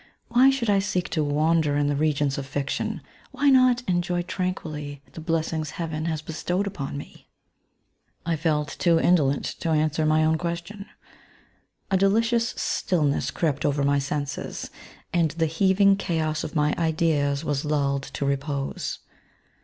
Why should I seek to wander in the regions of fiction ? Why not enjoy tranquilly the blessings Heaven has bestowed upon me ?'^ I felt too indolent to answer ray own ques tion ; a delicious stillness crept over my senses, and the heaving chaos of my ideas was lulled to repose.